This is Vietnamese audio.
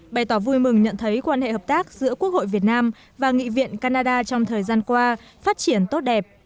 bày tỏ vui mừng nhận thấy quan hệ hợp tác giữa quốc hội việt nam và nghị viện canada trong thời gian qua phát triển tốt đẹp